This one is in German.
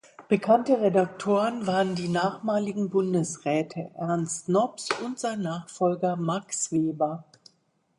Bekannte Redaktoren waren die nachmaligen Bundesräte Ernst Nobs und sein Nachfolger Max Weber.